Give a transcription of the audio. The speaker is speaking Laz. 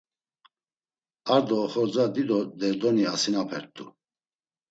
Ar do oxorza dido derdoni asinapert̆u.